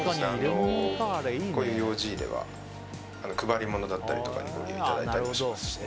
ようじ入れは配りものだったりとかご利用いただいたりもしますしね。